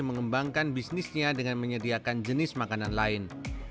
menu yang saya pesan ini adalah menu andalan